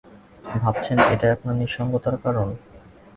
ভাবছেন, এটাই আপনার নিঃসঙ্গতার কারণ।